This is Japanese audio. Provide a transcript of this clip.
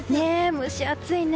蒸し暑いね。